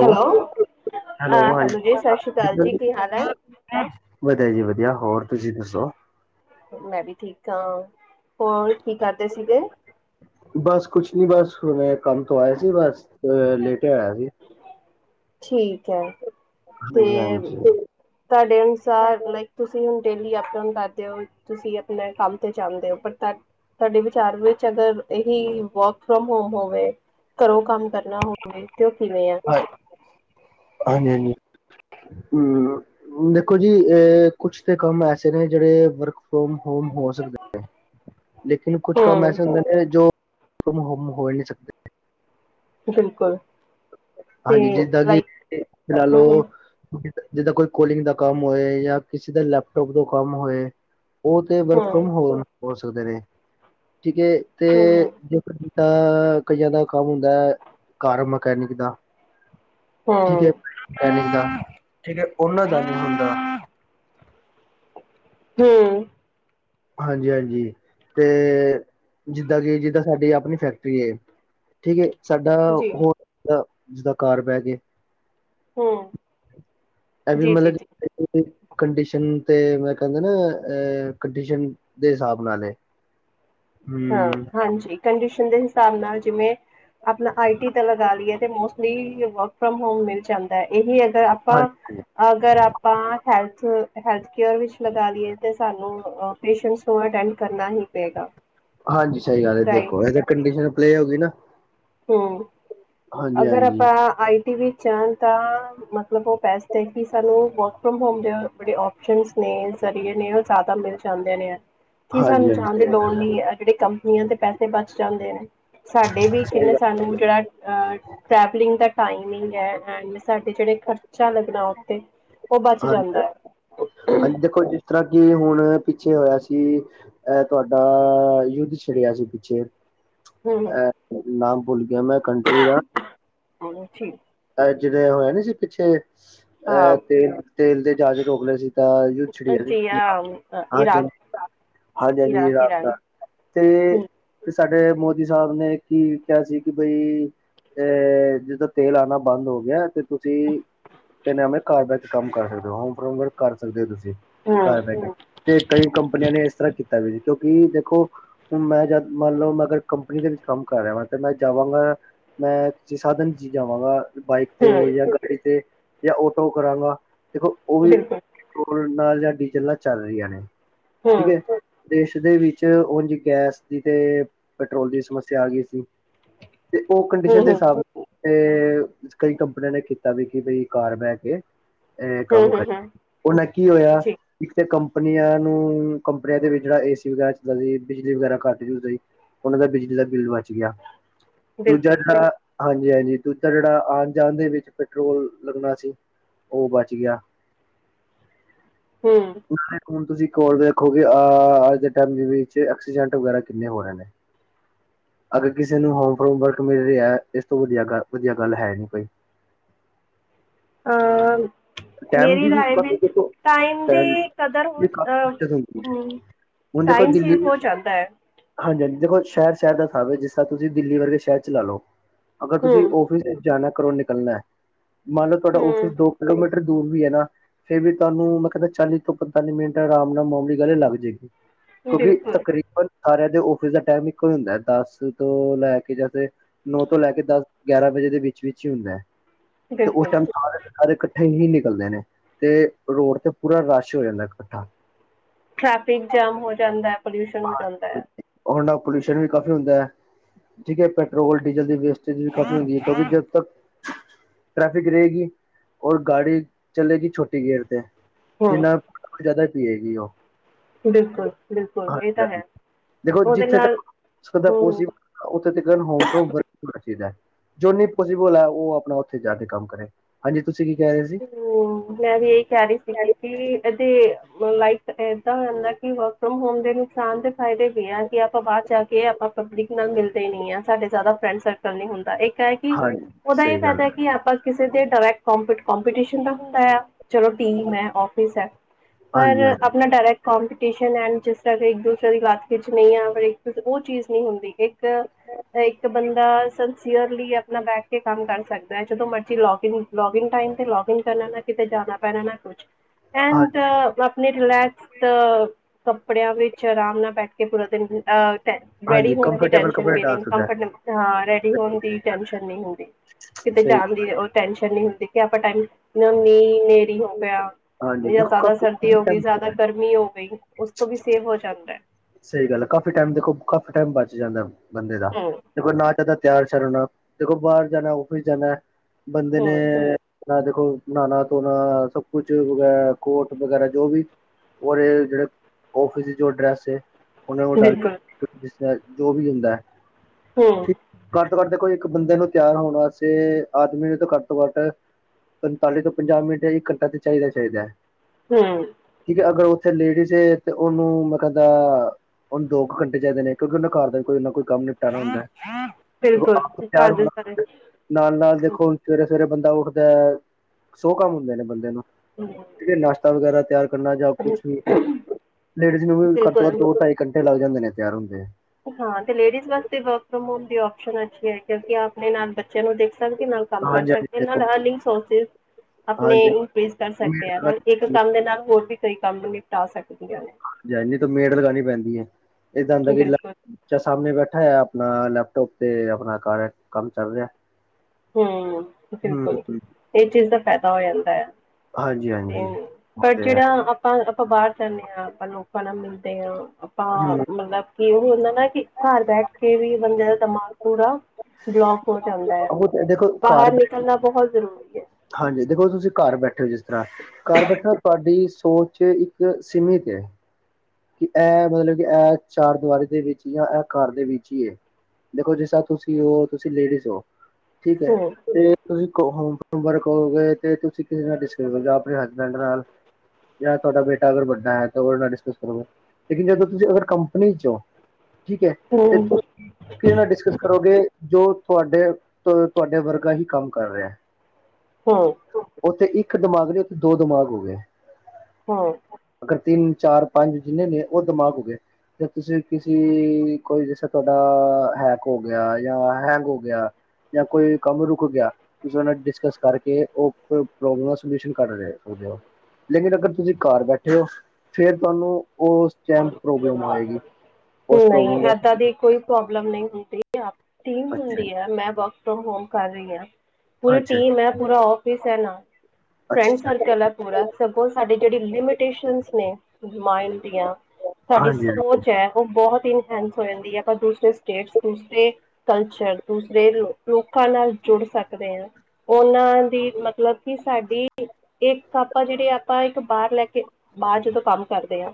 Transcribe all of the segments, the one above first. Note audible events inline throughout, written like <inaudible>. Hello, hello ਹਾਂ ਜੀ ਸਤਿ ਸ਼੍ਰੀ ਹਾਂਜੀ ਅਕਾਲ ਜੀ ਕੀ ਹਾਲ ਹੈ? ਵਧੀਆ ਜੀ ਵਧੀਆ ਹੋਰ, ਤੁਸੀਂ ਦੱਸੋ? ਮੈਂ ਵੀ ਠੀਕ ਹਾਂ ਹੋਰ ਕੀ ਕਰਦੇ ਸੀਗੇ। ਬਸ ਕੁਛ ਨੀ ਬਸ ਹੁਣੇ ਕੰਮ ਤੋਂ ਆਇਆ ਸੀ ਬਸ ਲੇਟ ਆਇਆ। ਠੀਕ ਐ ਤੇ ਹਾਂਜੀ-ਹਾਂਜੀ, ਹਾਂ ਤੁਹਾਡੇ ਡੇਲੀ ਅਪ ਡਾਉਨ ਕਰਦੇ ਔ ਤੁਸੀ ਆਪਣਾ ਕੰਮ ਤੇ ਜਾਨੇ ਐ, ਤੁਹਾਡੇ ਵਿਚਾਰ ਵਿੱਚ ਅਗਰ ਇਹੀ ਵਰਕ ਫਰੋਮ ਹੋਮ ਹੋਵੇ। ਘਰੋਂ ਕੰਮ ਕਰਨਾ ਹੋਵੇ। ਤੇ ਉਹ ਕਿਵੇਂ ਆ? ਵਾਹਿਗੁਰੂ, ਹਾਂਜੀ-ਹਾਂਜੀ। <inaudible> ਹਮ, ਦੇਖੋ ਜੀ ਅ ਕੁਛ ਤੇ ਕੰਮ ਐਸੇ ਨੇ ਜਿਹੜੇ ਵਰਕ ਫਰੋਮ ਹੋਮ ਹੋਮ ਹੋ ਸਕਦੇ ਨੇ ਲੇਕਿਨ ਕੁਛ ਕੰਮ ਹਮ ਐਸੇ ਹੁੰਦੇ ਨੇ ਜੋ ਵਰਕ ਫਰੋਮ ਹੋਮ ਹੋ ਨਹੀਂ ਸਕਦੇ। ਬਿਲਕੁਲ। ਤੇ ਹਾਂਜੀ, ਜਿੱਦਾਂ ਕਿ ਲਾਈਕ ਲ ਹਮ ਹਮ ਲਓ ਜਿੱਦਾਂ ਕੋਈ ਕੋਲਿੰਗ ਦਾ ਕੰਮ ਹੋਏ ਜਾਂ ਕਿਸੇ ਦਾ ਲੈਪਟੋਪ ਤੋ ਕੰਮ ਹੋਏ। ਉਹ ਤੇ ਵਰਕ ਹਮ ਹੋਮ ਹੋ ਸਕਦੇ ਨੇ ਠੀਕ ਹੈ ਤੇ ਹਮ ਜੇਕਰ ਤਾ ਕਈਆਂ ਦਾ ਕੰਮ ਹੁੰਦਾ ਹੈ ਕਾਰ ਮਕੈਨਿਕ ਦਾ ਹਮ ਠੀਕ ਹੈ ਪਹਿਲੇ, ਠੀਕ ਉਹਨਾਂ ਦਾ ਨਹੀਂ ਹੁੰਦਾ। ਹੂੰ, ਹਾਂਜੀ-ਹਾਂਜੀ ਤੇ ਜਿੱਦਾਂ ਕਿ ਜਿੱਦਾਂ ਸਾਡੀ ਆਪਣੀ ਫੈਕਟਰੀ ਠੀਕ ਹੈ ਸਾਡਾ ਜੀ ਹੋਰ ਜਿਦਾ ਘਰ ਬਹਿ ਕੇ, ਹੂੰ, ਅਭ ਮਤਲਬ ਕੰਡੀਸ਼ਨ ਤੇ ਮੈਂ ਕਹਿੰਦੇ ਨਾ ਕੰਡੀਸ਼ਨ ਦੇ ਹਿਸਾਬ ਨਾਲ ਐ। ਹਾਂ-ਹਾਂਜੀ, ਕੰਡੀਸ਼ਨ ਦੇ ਹਿਸਾਬ ਨਾਲ ਜਿਵੇਂ ਆਪਣਾ ਆਈ ਟੀ ਤਾਂ ਲਗਾ ਲਈਏ ਤੇ ਮੋਸਟਲੀ ਵਰਕ ਫਰੋਮ ਹੋਮ ਮਿਲ ਜਾਂਦਾ ਏ। ਇਹੀ ਅਗਰ ਆਪਾਂ ਹਾਂ ਅਗਰ ਆਪਾਂ ਹੈਲਥ, ਹੈਲਥ ਕੇਅਰ ਵਿੱਚ ਲਗਾ ਲਈਏ ਤੇ ਸਾਨੂੰ ਪੇਸ਼ੈਂਟਸ ਨੂੰ ਅਟੈਂਡ ਕਰਨਾ ਹੀ ਪਏਗਾ। ਹਾਂਜੀ ਸਹੀ ਗੱਲ ਏ, ਰਾਈਟ ਦੇਖੋ ਕੰਡੀਸ਼ਨ ਪਲਹੇ ਹੋ ਗਈ ਨਾ ਹੂੰ, ਹਾਂਜੀ ਅਗਰ ਹਾਂਜੀ ਆਪਾਂ ਆਈਟੀ ਵੀ ਜਨਤਾ ਮਤਲਬ ਉਹ ਪੈਸੇ ਵੀ ਸਾਨੂੰ ਵਰਕ ਫਰੋਮ ਹੋਮ ਦੇ ਬੜੇ ਆਪਸ਼ਨਸ ਨੇ। ਜ਼ਰੀਏ ਨੇ ਉਹ ਜ਼ਿਆਦਾ ਮਿਲ ਜਾਂਦੇ ਨੇ। ਕੀ ਹਾਂਜੀ ਸਾਨੂੰ ਹਾਂਜੀ ਜਾਣ ਦੀ ਸਹੀ ਲੋੜ ਗੱਲ ਨਹੀਂ ਆ ਜਿਹੜੀ ਕੰਪਨੀ ਆ ਤੇ ਪੈਸੇ ਬਚ ਜਾਂਦੇ ਨੇ ਸਾਡੇ ਹੈ ਵੀ ਸਹੀ ਕਿੰਨੇ ਸਾਨੂੰ ਜਿਹੜਾ ਆ ਟਰੈਵਲਿੰਗ ਦਾ ਟਾਈਮਿੰਗ ਐਨਡ ਸਾਡੇ ਜਿਹੜੇ ਖਰਚਾ ਲੱਗਣਾ ਉੱਤੇ ਉਹ ਬਚ ਗੱਲ ਜਾਂਦਾ। ਤਰੱਕੀ ਹੁਣ ਪਿੱਛੇ ਹੋਇਆ ਸੀ ਐ ਤੁਹਾਡਾ ਯੁੱਧ ਛੜਿਆ ਸੀ ਪਿੱਛੇ ਹਮ ਏ ਨਾਮ ਭੁੱਲ ਗਿਆ ਮੈਂ ਕੰਟਰੀ ਦਾ। ਗੁਰਮੁੱਖੀ ਜਿਹੜੇ ਹੋਏ ਨੀ ਸੀ ਪਿੱਛੇ ਅ ਹਾਂ ਤੇਲ, ਤੇਲ ਦੇ ਜਾ ਕੇ ਰੋਕ ਲਿਆ ਸੀ। ਤਾਂ ਯੁੱਧ ਛਿੜ ਗਿਆ ਜੀ ਸੀ। ਆ ਇਰਾਕ ਹਾਂਜੀ-ਹਾਂਜੀ, ਇਰਾਕ ਰਾਤ ਦਾ ਇਰਾਨ ਹਮ ਤੇ। ਸਾਡੇ ਮੋਦੀ ਸਾਹਿਬ ਨੇ ਕੀ ਕਿਹਾ ਸੀ ਕਿ ਬਈ ਅਹ ਜਿੱਦੋਂ ਤੇਲ ਆਣਾ। ਬੰਦ ਹੋ ਗਿਆ ਹੈ ਤੇ ਤੁਸੀਂ ਕਹਿਣਾ ਮੈਂ ਘਰ ਬੈਠ ਕੰਮ ਕਰ ਸਕਦੇ ਹੋ ਹੋਮ ਫੋਰਮ ਵਰਕ ਕਰ ਸਕਦੇ ਹੋ ਤੁਸੀਂ। ਹੂੰ ਘਰ ਹਮ ਬੈ ਕੇ ਤੇ ਕਈ ਕੰਪਨੀਆਂ ਨੇ ਇਸ ਤਰ੍ਹਾਂ ਕਿਉਂਕਿ ਦੇਖੋ ਹੁਣ ਮੈਂ ਜਦ ਮੰਨ ਲਓ ਮੈਂ ਅਗਰ ਕੰਪਨੀ ਦੇ ਵਿੱਚ ਕੰਮ ਕਰ ਰਿਹਾ ਵਾ ਤੇ ਮੈਂ ਜਾਵਾਂਗਾ। ਮੈਂ ਕਿਸੇ ਸਾਧਨ 'ਚ ਜਾਵਾਂਗਾ। ਬਾਈਕ ਤੇ ਹਮ ਜਾਂ ਗੱਡੀ ਤੇ ਜਾਂ ਆਟੋ ਕਰਾਂਗਾ ਦੇਖੋ ਉਹ ਵੀ। ਬਿਲਕੁਲ ਨਾਲ ਜਾਂ ਡੀਜ਼ਲਾਂ ਚੱਲ ਰਹੀਆਂ ਨੇ ਹਮ ਠੀਕ ਹੈ ਹੂੰ ਦੇਸ਼। ਇਸਦੇ ਵਿੱਚ ਉਹ ਜੀ ਗੈਸ ਦੀ ਤੇ ਪੈਟਰੋਲ ਦੀ ਸਮੱਸਿਆ ਆ ਗਈ ਸੀ। ਤੇ ਉਹ ਕੰਡੀਸ਼ਨ ਹਮ ਹਮ ਦੇ ਹਮ ਹਿਸਾਬ ਤੇ। ਕਈ ਕੰਪਨੀਆਂ ਨੇ ਕੀਤਾ ਵੀ ਕਿ ਬਈ ਘਰ ਬਹਿ ਕੇ। ਇਹ ਕੰਮ ਹਮ ਹਮ ਕਰਨਾ ਉਹਨਾਂ ਕੀ ਹੋਇਆ ਜੀ ਇੱਕ ਤੇ ਕਮਪ ਕੰਪਨੀਆਂ ਨੂੰ ਕੰਪਨੀਆਂ ਦੇ ਵਿੱਚ ਜਿਹੜਾ ਏਸੀ ਵਗਰਾ ਚੱਲਦਾ ਸੀ ਬਿਜਲੀ ਵਗੈਰਾ ਘੱਟ ਯੂਜ ਹੋਈ। ਉਹਨਾਂ ਦਾ ਬਿਜਲੀ ਦਾ ਬਿੱਲ ਬਚ ਗਿਆ ਦੂਜਾ ਬਿਲਕੁਲ ਜਿਹੜਾ ਹਾਂਜੀ ਹਾਂਜੀ ਦੂਜਾ ਜਿਹੜਾ। ਆਉਣ ਜਾਣ ਦੇ ਵਿੱਚ ਪੈਟਰੋਲ ਲੱਗਣਾ ਸੀ। ਉਹ ਬਚ ਗਿਆ। ਹੂੰ ਨਾਲੇ ਹੁਣ ਤੁਸੀਂ? ਹੋਰ ਦੇਖੋਗੇ ਅਹ ਅੱਜ ਦੇ ਟਾਈਮ ਵਿੱਚ ਐਕਸੀਡੈਂਟ ਵਗੈਰਾ ਕਿੰਨੇ ਹੋ ਰਹੇ ਨੇ? ਅਗਰ ਕਿਸੇ ਨੂੰ ਹੋਮ ਫੋਰਮ ਵਰਕ ਮਿਲ ਰਿਹਾ ਹੈ ਇਸ ਤੋਂ ਵਧੀਆ ਵਧੀਆ ਗੱਲ ਹੈ। ਨਹੀਂ ਬਈ। ਹਾਂ। ਮੇਰੀ ਵੀ ਲਾਈਫ ਕਾਫੀ ਵਿੱਚ ਦੇਖੋ ਟਾਈਮ ਦੀ ਕਦਰ ਦੀ ਹੋਣੀ ਕਾਫੀ ਅ ਬੱਚਤ ਹੁੰਦੀ ਹੈ ਹੂੰ। ਹੁਣ ਦੇਖੋ ਟਾਈਮ ਦਿੱਲੀ ਸੇਵ ਹੋ ਜਾਂਦਾ ਹੈ। ਹਾਂਜੀ ਹਾਂਜੀ ਦੇਖੋ ਸ਼ਹਿਰ ਸ਼ਹਿਰ ਦਾ ਥਾਵੇ ਹੈ। ਜਿਸ ਤਰ੍ਹਾਂ ਤੁਸੀਂ ਦਿੱਲੀ ਵਰਗੇ ਸ਼ਹਿਰ ਚਲਾ ਲਓ ਅਗਰ ਤੁਸੀਂ ਹੂੰ ਔਫਸ। ਜਾਣਾ ਘਰੋ ਨਿਕਲਣਾ ਮੰਨ ਲਓ ਤੁਹਾਡਾ ਉੱਥੇ ਦੋ ਹੂੰ ਕਿਲੋਮੀਟਰ। ਦੂਰ ਵੀ ਹੈ ਨਾ ਫੇਰ ਵੀ ਤੁਹਾਨੂੰ ਮੈਂ ਕਹਿੰਦਾ ਚਾਲੀ ਤੋਂ ਪੰਤਾਲੀ ਮਿੰਟ ਆਰਾਮ ਨਾਲ ਮਾਮਲੀ ਗੱਲ ਲੱਗ ਜਾਏਗੀ। ਕਿਉਂਕਿ ਬਿਲਕੁਲ ਤਕਰੀਬਨ। ਸਾਰਿਆਂ ਦੇ ਔਫਸ ਦਾ ਟਾਈਮ ਇੱਕੋ ਹੀ ਹੁੰਦਾ ਦਸ ਤੋਂ ਲੈ ਕੇ ਜਾ ਤੇ ਨੋ ਤੋਂ ਲੈ ਕੇ ਦਸ ਗਿਆਰਾਂ ਵਜੇ। ਦੇ ਵਿੱਚ ਵਿੱਚ ਹੀ ਹੁੰਦਾ ਹੈ ਤੇ ਉਸ ਬਿਲਕੁਲ ਟਾਈਮ ਸਾਰੀਆਂ ਦੇ ਇੱਕਠੇ। ਇਕੱਠੇ ਹੀ ਨਿਕਲਦੇ ਨੇ ਤੇ ਰੋਡ ਤੇ ਪੂਰਾ ਰਸ਼ ਹੋ ਜਾਂਦਾ ਹੈ ਇਕੱਠਾ। ਟ੍ਰੈਫਿਕ ਜਾਮ ਹੋ ਜਾਂਦਾ ਹੈ। ਪੋਲਿਊਸ਼ਨ ਹੋ ਜਾਂਦਾ ਹੈ। ਔਰ ਨਾਲ ਪੋਲਿਊਸ਼ਨ ਵੀ ਕਾਫ਼ੀ ਹੁੰਦਾ ਐ। ਠੀਕ ਹੈ ਪੈਟਰੋਲ ਡੀਜ਼ਲ ਦੀ ਵੇਸਟੇਜ ਵੀ ਖ਼ਤਮ ਹੁੰਦੀ ਹੈ ਕਿਉਂਕਿ ਜਦ ਤੱਕ। ਟ੍ਰੈਫਿਕ ਰਹੇਗੀ ਔਰ ਗਾੜੀ ਚਲੇਗੀ ਛੋਟੀ ਗੇਅਰ ਤੇ। ਹੂੰ ਜਿੰਨਾ ਜ਼ਿਆਦਾ ਪੀਏਗੀ ਉਹ। ਬਿਲਕੁਲ। ਬਿਲਕੁਲ ਇਹ ਹਾਂਜੀ ਤਾਂ ਹਾਂਜੀ ਹੈ ਦੇਖੋ ਉਹਦੇ ਜਿੱਥੇ ਤਾਂ। ਨਾਲ ਹੋ ਸਕਦਾ ਹੂੰ ਪੋਸੀਬਲ ਉੱਥੇ ਤੇ ਫੇਰ ਹੋਮ ਫੋਰਮ ਵਰਕ ਹੋਣਾ ਚਾਹੀਦਾ ਹੈ। ਜੋ ਨਹੀਂ ਪੋਸੀਬਲ ਹੈ ਉਹ ਆਪਣਾ ਉੱਥੇ ਜਾ ਕੇ ਕੰਮ ਕਰੇ ਹਾਂਜੀ। ਤੁਸੀਂ ਕੀ ਕਹਿ ਰਹੇ ਸੀ। ਹੂੰ ਮੈਂ ਵੀ ਇਹੀ ਕਹਿ ਰਹੀ ਸੀ ਕੀਗੀ ਕਿ। ਇਹ ਤੇ ਲਾਈਕ ਏਦਾਂ ਹੁੰਦਾ ਕਿ ਵਰਕ ਫਰੋਮ ਹੋਮ ਦੇ ਨੁਕਸਾਨ ਦੇ ਫਾਇਦੇ ਵੀ ਆ ਕਿ ਆਪਾਂ ਬਾਹਰ। ਜਾ ਕੇ ਆਪਾਂ ਪਬਲਿਕ ਨਾਲ ਮਿਲਦੇ ਹੀ ਨਹੀਂ ਹਾਂ ਸਾਡੇ ਜ਼ਿਆਦਾ ਫਰੈਂਡ ਸਰਕਲ ਨੀ ਹੁੰਦਾ ਇੱਕ। ਹੈ ਕਿ ਹਾਂਜੀ ਉਹਦਾ ਇਹ ਸਹੀ ਗੱਲ ਫਾਇਦਾ ਹੈ। ਕਿ ਆਪਾਂ ਕਿਸੇ ਦੇ ਡਾਇਰੈਕਟਪ ਕਪੀਟੀਸ਼ਨ ਦਾ ਹੁੰਦਾ ਆ। ਚਲੋ ਟੀਮ ਹੈ ਔਫਿਸ ਹੈ ਪਰ ਹਾਂਜੀ ਹਾਂਜੀ ਆਪਣਾ ਡਾਇਰੈਕਟ। ਕੰਪੀਟੀਸ਼ਨ ਐ ਜਿਸ ਤਰ੍ਹਾਂ ਕੀ ਇੱਕ ਦੂਸਰੇ ਦੀ ਇਲਾਕੇ 'ਚ ਨਹੀਂ ਆ ਪਰ ਇੱਥੇ ਉਹ ਚੀਜ਼ ਨਹੀਂ ਹੁੰਦੀ। ਇੱਕ ਇੱਕ ਬੰਦਾ ਸੰਸੀਅਰਲੀ ਹੈ। ਆਪਣਾ ਬੈਠ ਕੇ ਕੰਮ ਕਰ ਸਕਦਾ ਹੈ ਜਦੋਂ ਮਰਜ਼ੀ ਲੌਗਨ ਲੌਗਨ ਟਾਈਮ। ਤੇ ਲੌਗਨ ਕਰਨਾ ਨਾ ਕਿਤੇ ਜਾਣਾ ਪੈਣਾ ਨਾ ਕੁਛ। ਐਂਡ ਹਾਂਜੀ ਆਪਣੇ ਰਿਲੈਕਸ ਕੱਪੜਿਆਂ ਵਿੱਚ ਆਰਾਮ ਨਾਲ। ਬੈਠ ਕੇ ਪੂਰਾ ਦਿਨ ਅਹ। ਰੈਡੀ ਹਾਂਜੀ ਹੋਣ ਦੀ ਕੰਫਰਟੇਬਲ ਟੈਂਸ਼ਨ ਕੱਪੜੇ ਵੀ ਡਾਲ ਨਹੀਂ ਸਕਦਾ ਹਾਂ ਰੈਡੀ ਹੋਣ ਦੀ ਟੈਂਸ਼ਨ ਨਹੀਂ ਹੁੰਦੀ। ਕਿਤੇ ਸਹੀ ਜਾਣ ਦੀ ਓ ਟੈਨਸ਼ਨ ਨੀ ਹੁੰਦੀ ਕਿ ਆਪਾਂ ਟਾਈਮ ਮੀਂ ਨੇਰੀ ਹੋ ਪਿਆ ਹਾਂਜੀ ਜਾਂ ਜ਼ਾਦਾ ਸਰਦੀ ਓ, ਦੇਖੋ ਗਈ ਜ਼ਿਆਦਾ ਗਰਮੀ ਓ ਗਈ। ਉਸ ਤੋਂ ਵੀ ਸੇਵ ਹੋ ਜਾਂਦਾ। ਸਈ ਗੱਲ ਐ। ਕਾਫੀ ਟੈਮ ਦੇਖੋ ਕਾਫੀ ਟੈਮ ਬਚ ਜਾਂਦਾ ਬੰਦੇ ਦਾ। ਹੂੰ ਦੇਖੋ ਨਾ ਜਾਦਾ ਤਿਆਰ ਸ਼ਿਆਰ ਹੋਣਾ। ਦੇਖੋ ਬਾਰ ਜਾਣਾ ਔਫਿਸ ਜਾਣਾ ਬੰਦੇ ਨੇ ਹੂੰ ਅਪਣਾ ਦੇਖੋ ਨਾਣਾ ਧੋਣਾ ਕੁਛ ਵਗੈ ਕੋਟ ਵਗੈਰਾ ਜੋ ਵੀ ਔਰ ਏ ਜੇੜੇ ਔਫਿਸ ਜੋ ਡਰੈਸ ਏ ਉਨਾ ਬਿਲਕੁਲ <unintelligible> ਜੋ ਵੀ ਹੁੰਦਾ ਐ। ਹੂੰ। ਘੱ ਤੋਂ ਘੱਟ ਦੇ ਕੋ ਇੱਕ ਬੰਦੇ ਨੂੰ ਤਿਆਰ ਹੋਣ ਆਸੇ ਆਦਮੀ ਨੂੰ ਤੇ ਘੱਟ ਤੋਂ ਘੱਟ ਪੰਤਾਲੀ ਤੋਂ ਪੰਜਾਹ ਮਿੰਟ ਇੱਕ ਘੰਟਾ ਤੇ ਚਾਈਦਾ ਚਾਈਦਾ ਐ। ਹੂੰ ਠੀਕ ਹੈ ਅਗਰ ਓ ਜਿਥੇ ਲੇਡੀਜ਼ ਤੇ ਉਨੂੰ ਮੈਂ ਕੇਂਦਾ ਉਨੂੰ ਦੋ ਕੁ ਘੰਟੇ ਚਈਦੇ ਨੇ। ਕਿਉਂਕਿ ਉਨੇ ਘਰ ਦਾ ਕੋਈ ਕੋਈ ਕੰਮ ਨਿਪਟਾਣਾ ਹੁੰਦਾ। ਹ, ਦੇਖੋ ਬਿਲਕੁਲ ਆਪ ਘਰ ਤਿਆਰ ਦੇ ਸਾਰੇ ਹੋਣਾ। ਨਾਲ- ਨਾਲ ਦੇਖੋ ਹੁਣ ਸਵੇਰੇ ਸਵੇਰੇ ਬੰਦਾ ਉੱਠਦਾ। ਸੌ ਕੰਮ ਹੁੰਦੇ ਨੇ ਬੰਦੇ ਨੂੰ। ਠੀਕ ਏ। ਨਾਸ਼ਤਾ ਵਗੈਰਾ ਤਿਆਰ ਕਰਨਾ ਜਾਂ ਕੁਛ ਵੀ। ਲੇਡੀਜ਼ ਨੂੰ ਵੀ ਘੱਟ ਤੋਂ ਘੱਟ ਬਿਲਕੁਲ ਦੋ ਢਾਈ ਘੰਟੇ ਲੱਗ ਜਾਂਦੇ ਨੇ ਤਿਆਰ ਹੁੰਦੇ। ਹਾਂ, ਤੇ ਲੇਡੀਸ ਵਾਸਤੇ ਵਰਕ ਫਰੇਮ ਹੋਮ ਦੀ ਔਪਸ਼ਨ ਅਛੀ ਏ। ਕਿਉਕਿ ਆਪਣੇ ਨਾਲ ਬਚਿ- ਬੱਚਿਆਂ ਨੂੰ ਦੇਖ ਸਕਦੀ, ਨਾਲ ਕੰਮ ਕਰ ਹਾਂਜੀ ਹਾਂਜੀ ਸਕਦੀ, ਨਾਲ ਦੇਖੋ ਅਰਨਿੰਗ ਸੋਰਸਿਸ- ਆਪਣੇ ਹਾਂਜੀ ਇਨਕਰੀਜ਼ ਕਰ ਸਕਦੇ ਆ। ਨਾਲ ਇੱਕ ਕੰਮ ਦੇ ਨਾਲ ਹੋਰ ਵੀ ਕਈ ਕੰਮ ਨਿਪ ਜਾਂ ਨਈ ਤੇ ਮੇਡ ਲਗਾਣੀ ਪੈਂਦੀ ਏ। ਏਦਾ ਹੁੰਦਾ ਕਿ ਲੈ ਬਿਲਕੁਲ ਚ ਸਾਹਮਣੇ ਬੈਠਾ ਹੋਇਆ ਨਾ ਲੈਪਟੋਪ ਤੇ ਆਪਣਾ ਘਰ ਕੰਮ ਚੱਲ ਰਿਆ। ਹੂੰਅ। ਬਿਲਕੁਲ। ਹੂੰ, ਏ ਚੀਜ਼ ਦਾ ਫੈਦਾ ਹੋ ਜਾਂਦਾ ਐ। ਹਾਂਜੀ ਤੇ ਹਾਂਜੀ ਉਹ ਪਰ ਤੇ ਹੈ ਜੇੜਾ ਆਪਾਂ- ਆਪਾਂ ਬਾਹਰ ਜਾਂਨੇ ਆਂ। ਆਪਾਂ ਲੋਕਾਂ ਨਾਲ ਮਿਲਦੇ ਆ। ਆਪਾਂ ਹੂੰ, ਮਤਲਬ ਕਿ ਓ ਹੁੰਦਾ ਨਾ ਕਿ ਘਰ ਬੈਠ ਕੇ ਵੀ ਬੰਦੇ ਦਾ ਦਿਮਾਗ ਪੂਰਾ ਬਲੋਕ ਹੋ ਜਾਂਦਾ ਐ। ਉਹ ਤੇ ਦੇਖੋ ਘਰ ਬਾਹਰ ਬੈਠ ਨਿਕਲਣਾ ਬਹੁ ਜ਼ਰੂਰੀ ਐ। ਹਾਂਜੀ ਦੇਖੋ ਤੁਸੀਂ ਘਰ ਬੈਠੇ ਓ ਜਿਸ ਤਰ੍ਹਾਂ। ਘਰ ਬੈਠਣਾ ਤੁਆਡੀ ਸੋਚ ਇੱਕ ਸੀਮਿਤ ਕਿ ਐ ਮਲਬ ਕਿ ਐ ਚਾਰਦੁਆਰੀ ਦੇ ਵਿੱਚ ਜਾਂ ਐ ਘਰ ਦੇ ਵਿੱਚ ਈ ਏ। ਦੇਖੋ ਜਿਸ ਤਰ੍ਹਾਂ ਤੁਸੀਂ ਓ ਤੁਸੀਂ ਲੇਡੀਜ਼ ਓ ਠੀਕ ਐ ਹਮ ਤੇ ਤੁਸੀਂ ਹੋਮ ਵਰਕ ਹੋਗੇਏ ਤੇ ਤੁਸੀਂ ਕਿਸੇ ਨਾਲ ਡਿਸਕਜ ਆਪਣੇ ਹਸਬੈਂਡ ਨਾਲ ਜਾਂ ਤੁਆਡਾ ਬੇਟਾ ਅਗਰ ਵੱਡਾ ਐ ਤਾਂ ਓਦੇ ਨਾਲ ਡਿਸਕਸ ਕਰੋਗੇ। ਲੇਕਿਨ ਜਦੋਂ ਤੁਸੀਂ ਅਗਰ ਕੰਪਨੀ 'ਚ ਓ ਠੀਕ ਐ ਤੇ ਹਮ ਤੁਸੀਂ ਕੀਦੇ ਨਾਲ ਡਿਸਕਸ ਕਰੋਗੇ। ਜੋ ਤੁਆਡੇ-ਤੁਆਡੇ ਵਰਗਾ ਹੀ ਕੰਮ ਕਰ ਰਿਆ। ਹਮ ਓਥੇ ਇੱਕ ਦਿਮਾਗ ਨਈ ਓਥੇ ਦੋ ਦਿਮਾਗ ਹੋ ਗਏ। ਹਾਂ। ਕਰ ਤਿੰਨ, ਚਾਰ, ਪੰਜ ਜਿੰਨੇ ਨੇ, ਓ ਦਿਮਾਗ ਹੇ ਗਯਾ। ਜ ਤੁਸੀਂ ਕਿਸੇ ਕੋਈ ਜੇਸਾ ਤੁਆਡਾ ਹੈਕ ਹੋ ਗਿਆ ਜਾਂ ਹੈਂਗ ਹੋ ਗਿਆ ਜਾਂ ਕੋਈ ਕੰਮ ਰੁਕ ਗਿਆ। ਤੁਸੀ ਓ ਡਿਸਕਸ ਕਰਕੇ ਓ ਪੋ ਪ੍ਰੋਬਲਮ ਸੋਲਊਸ਼ਨ ਕਡ ਰਏ ਓ। ਲੇਕਿਨ ਅਗਰ ਤੁਸੀਂ ਘਰ ਬੈਠੇ ਓ ਫੇਰ- ਤੁਹਾਨੂੰ ਉਸ ਟਾਈਮ ਪ੍ਰੋਬਲਮ ਹੋਏਗੀ ਉਸ ਨਈ ਪ੍ਰੋਬਲਮ ਦਾ ਏਦਾਂ ਦੀ ਕੋਈ ਪ੍ਰੋਬਲਮ ਨਈ ਹੁੰਦੀ। <unintelligible> ਟੀਮ ਅੱਛਾ ਹੁੰਦੀ ਐ। ਮੈਂ ਵਰਕ ਫਰੋਮ ਹੋਮ ਕਰ ਰਈ ਆਂ। ਪੂਰੀ ਅੱਛਾ ਟੀਮ ਐ ਪੂਰਾ ਓਫਿਸ ਐ ਨਾਲ। ਅੱਛਾ ਫਰੈਂਡ ਅੱਛਾ ਸਰਕਲ ਐ ਪੂਰਾ। ਸਗੋਂ ਸਾਡੀ ਜੇੜੀ ਲਿਮੀਟੇਸ਼ਨਸ ਨੇ ਮਾਂਇਡ ਦਿਆਂ ਸਾਡੀ ਹਾਂਜੀ ਸੋਚ ਐ ਓ ਬੋਹਤ ਇਨਹੈਂਸ ਹੋ ਜਾਂਦੀ ਐ। ਪਰ ਦੂਸਰੇ ਸਟੇਟਸ ਦੂਸਰੇ- ਕਲਚਰ ਦੂਸਰੇ ਲੋਕਾਂ ਨਾਲ ਜੁੜ ਸਕਦੇ ਆਂ। ਉਨਾਂ ਦੀ ਮਤਲਬ ਕੀ ਸਾਡੀ ਇੱਕ ਆਪਾਂ ਜੇੜੇ ਆਪਾਂ- ਬਾਰ ਲੈ ਕੇ। ਬਾਰ ਜਦੋਂ ਕੰਮ ਕਰਦੇ ਆਂ।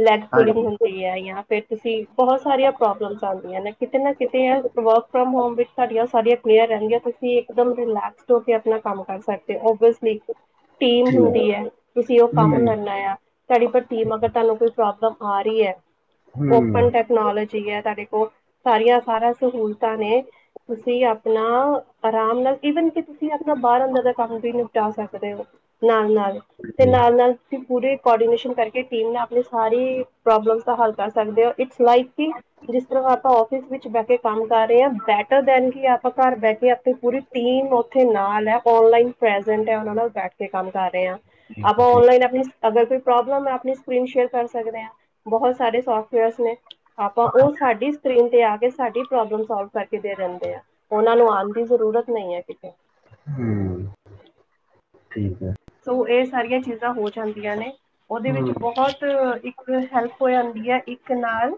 ਲੈਗ ਪੂਲਿੰਗ ਹਾਂਜੀ ਹੁੰਦੀ ਐ ਜਾਂ ਫੇਰ ਤੁਸੀਂ ਬਹੁਤ ਸਾਰੀਆਂ ਪ੍ਰੋਬਲਮਸ ਆਂਦੀਆਂ ਨੇ ਕਿਤੇ ਨਾ ਕਿਤੇ ਐ ਤ ਵਰਕ ਫਰੋਮ ਹੋਮ ਵਿੱਚ ਸਾਡੀਆਂ ਸਾਡੀਆਂ ਕਲੇਅਰ ਰੇਂਦੀਆਂ। ਤੁਸੀਂ ਇੱਕਦਮ ਰਿਲੈਕਸਡ ਹੋ ਕੇ ਆਪਣਾ ਕੰਮ ਕਰ ਸਕਦੇ ਓ। ਓਵ ਬਸ ਠੀਕ। ਟੀਮ ਠੀਕ ਹੁੰਦੀ ਐ। ਤੁਸੀਂ ਓ ਕੰਮ ਹੂੰ ਕਰਨਾ ਆ ਤਾਡੀ ਪਰ ਟੀਮ ਅਗਰ ਤਾਨੂੰ ਕੋਈ- ਪ੍ਰੋਬਲਮ ਆ ਰਹੀ ਹੈ ਓਪਨ ਹੂੰ ਟੈਕਨੋਲੋਜੀ ਹੈ ਤੁਹਾਡੇ ਕੋਲ ਸਾਰੀਆਂ ਸਾਰਾ ਸਹੂਲਤਾਂ ਨੇ ਤੁਸੀਂ ਆਪਣਾ ਆਰਾਮ ਨਾਲ ਈਵਨ ਕਿ ਤੁਸੀਂ ਆਪਣਾ ਬਾਹਰ-ਅੰਦਰ ਦਾ ਕੰਮ ਵੀ ਨਿਪਟਾ ਸਕਦੇ ਹੋ ਨਾ-ਨਾ ਤੇ ਠੀਕ ਨਾਲ-ਨਾਲ ਤੁਂ ਪੂਰੇ ਕੋਰਡੀਨੇਸ਼ਨ ਕਰਕੇ ਟੀਮ ਨੁਂ ਆਪਣੀ ਸਾਰੀ ਪ੍ਰੋਬਲਮ ਦਾ ਹੱਲ ਕਸ ਸਕਦੇ ਹੋ। ਇਟਸ ਲਾਈਕ ਕਿ ਜਿਸ ਤਰਾਂ ਆਪਾਂ ਔਫਿਸ ਵਿੱਚ ਬਹਿ ਕੇ ਕੰਮ ਕਰ ਰਹੇ ਹ ਬੈਟਰ ਦੇਨ ਕਿ ਆਪਾਂ ਘਰ ਬੈਠ ਆਪੇ ਪੂਰੀ ਟੀਮ ਉੱਥੇ ਨਾਲ ਹੈ ਔਨਲਾਈਨ ਪ੍ਰੈਜੈਂਟ ਹੈ ਉਹਨਾ ਨਾਲ ਬੈਠ ਤੇ ਕੰਮ ਕਰ ਰਹੇ ਹਾਂ। ਆਪਾਂ ਠੀਕ ਅਨਲਾਈਨ ਆਪਣੀ ਅਗਰ ਕੋਈ ਪ੍ਰੋਬਲਮ ਹੈ ਆਪਣੀ ਸਕਰੀਨ ਸ਼ੇਅਰ ਕਰ ਸਕਦੇ ਹਾਂ। ਬਹੁਤ ਸਾਰੇ ਸੋਫਟਵੇਅਰਸ ਨੇ, ਆਪਾਂ। ਉਹ ਸਾਡੀ ਸਕਰੀਨ ਤੇ ਆ ਏ ਸਾਡੀ ਪ੍ਰੋਬਲਮ ਸੋਲਵ ਕਰਕੇ ਦੇ ਰਹਿੰਦੇ ਆ ਉਹਨਾਂ ਨੂੰ ਆਉਣ ਦੀ ਜ਼ਰੂਰਤ ਨਹੀਂ ਹੈ ਕਿਤੇ ਹੁਂ। ਠੀਕ ਹੈ। ਸੋ ਇਹ ਸਾਰੀਆਂ ਚੀਜ਼ਾਂ ਹੋ ਜਾਂਦੀਆਂ ਨੇ ਉਹਦੇ ਵਿੱਚ ਹੂੰ ਬਹੁਤ ਇਕ ਹੈਲਪ ਹੋ ਜਾਂਦੀ ਹੈ ਇੱਕ ਨਾਲ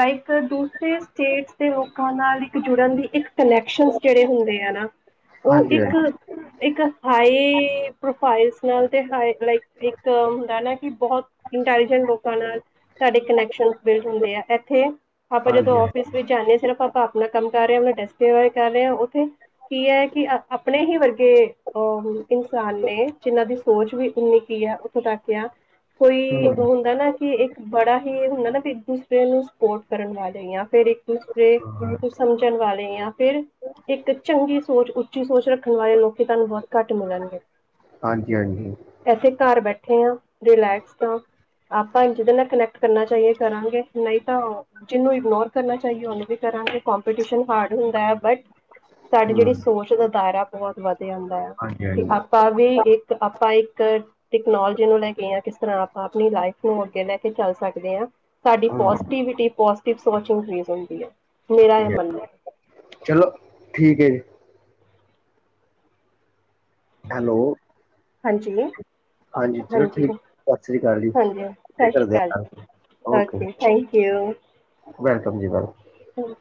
ਲਾਈਕ ਦੂਸਰੇ ਸਟੇਟਸ ਦੇ ਲੋਕਾਂ ਨਾਲ ਇੱਕ ਜੁੜਨ ਦੀ ਇੱਕ ਕਨੈਕਸ਼ਨ ਜਿਹੜੇ ਹੁੰਦੇ ਆ ਨਾ ਉਹ ਹਾਂਜੀ ਇੱਕ ਇੱਕ ਹਾਏ ਫਾੲਵ ਨਾਲ ਲ ਇੱਕ ਹੁੰਦਾ ਨਾ ਕਿ ਬਹੁਤ ਇੰਟਲੀਜੈਂਟ ਲੋਕਾਂ ਨਾਲ ਤੁਹਾਡੇ ਕਨੈਕਸ਼ਨ ਹਾਂਜੀ ਬਿਲਡ ਹੁੰਦੇ ਆ ਇੱਥੇ ਆਪਾਂ ਹਾਂਜੀ ਹਾਂਜੀ ਜਦੋਂ ਆਫਿਸ ਵਿੱਚ ਜਾਂਦੇ ਹਾਂ ਸਿਰਫ ਆਪਾਂ ਆਪਣਾ ਕੰਮ ਕਰ ਰਿਹਾ ਮੈਂ ਟੈਸਟ ਬਾਰੇ ਕਰ ਰਿਹਾ ਉੱਥੇ ਕੀ ਹੈ ਕਿ ਆਪਣੇ ਹੀ ਵਰਗੇ ਅਹ ਇਨਸ ਜਿਹਨਾਂ ਦੀ ਸੋਚ ਵੀ ਉਓਨੀ ਕੀ ਆ ਉੱਥੋਂ ਤੱਕ ਆ ਹੂੰ ਕੋਈ ਉਹ ਹੁੰਦਾ ਨਾ ਕਿ ਇੱਕ ਬੜਾ ਹੀ ਹੁੰਦਾ ਨਾ ਵੀ ਇੱਕ ਦੂਸਰੇ ਨੂੰ ਸਪੋਰਟ ਕਰਨ ਵਾਲੇ ਹ ਫਿਰ ਇੱਕ ਦੂਸਰੇ ਹਾਂ, ਨੂੰ ਸਮਝਣ ਵਾਲੇ ਆ ਫਿਰ ਇੱਕ ਚੰਗੀ ਸੋਚ ਉੱਚੀ ਸੋਚ ਰੱਖਣ ਵਾਲੇ ਲੋਕ ਤੁਹਾਨੂੰ ਬਹੁਤ ਘੱਟ ਮਿਲਣਗੇ ਹਾਂਜੀ ਹਾਂਜੀ ਇਥੇ ਘਰ ਬੈਠੇ ਹਾਂ ਰਿਲੈਕਸਡ ਹਾਂ ਆਪਾਂ ਜਿਹਦੇ ਨਾਲ ਕਨੈਕਟ ਕਰਨਾ ਚਾਹੀਏ ਕਰਾਂਗੇ ਨਹੀਂ ਤਾਂ ਜਿਹਨੂੰ ਇਗਨੋਰ ਕਰਨਾ ਚਾਹੀਏ ਉਹਨੂੰ ਵੀ ਕਰਾਂਗੇ ਕੌਮਪਿਟਸ਼ਨ ਹਾਰਡ ਹੁੰਦਾ ਹੈ ਬਟ ਸਾਡੀ ਹੂੰ ਜਿਹੜੀ ਸੋਚ ਦਾ ਦਾਇਰਾ ਬਹੁਤ ਵੱਧ ਜਾਂਦਾ ਆ ਹਾਂਜੀ ਕਿ ਹਾਂਜੀ ਆਪ ਕੀ ਇੱਕ ਆਪਾਂ ਇੱਕ ਟੈਕਨੋਲੋਜੀ ਨੂੰ ਲੈ ਕੇ ਹਾਂ ਕਿਸ ਤਰਾਂ ਆਪਾਂ ਆਪਣੀ ਲਾਈਫ ਨੂੰ ਅੱਗੇ ਲੈ ਕੇ ਚੱਲ ਸਕ ਸਕਦੇ ਆਂ। ਸਾਡੀ ਹੂੰ ਪੌਸ਼ਟਿਵਿਟੀ ਪੌਸ਼ਟਿਕ ਸੌਚ ਇਨਕਰੀਜ਼ ਹੁੰਦੀ ਹੈ। ਮੇਰਾ ਇਹ ਮੰਨਣਾ ਹੈ ਚਲੋ। ਠੀਕ ਹੈ ਜੀ। ਹੈਲੋ। ਹਾਂਜੀ, ਚਲੋ ਹਾਂਜੀ, ਠੀਕ ਸਤਿ ਸ੍ਰੀ ਅਕਾਲ ਜੀ ਹਾਂਜੀ। ਇਹ ਸਤਿ ਸ਼੍ਰੀ ਕਰਦੇ ਅਕਾਲ ਆ, ਜੀ। ਓਕੇ। Thank you. ਵੈਲਕਮ ਜੀ ਵੈਲਕਮ। ਹਮ